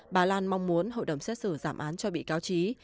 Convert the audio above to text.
bà lan mong muốn hội đồng xét xử giảm án cho bị cáo trí